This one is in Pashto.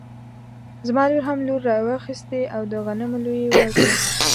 زما لور هم لور راواخيستی او د غنمو لو يې وکړی